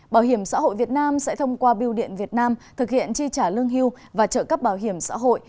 bảo hiểm xã hội việt nam sẽ thông qua biêu điện việt nam thực hiện chi trả lương hưu và trợ cấp bảo hiểm xã hội